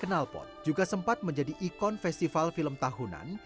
kenalpot juga sempat menjadi ikon festival film tahunan